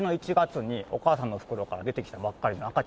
お母さんの袋から出てきたばっかりの赤ちゃんが。